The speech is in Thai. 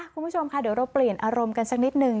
คุณผู้ชมค่ะเดี๋ยวเราเปลี่ยนอารมณ์กันสักนิดนึง